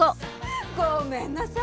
ごめんなさい。